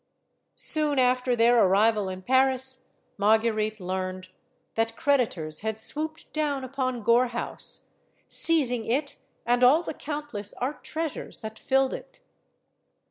Soon after their arrival in Paris, Marguerite learned that creditors had swooped down upon Gore House, seizing it and all the countless art treasures that filled it.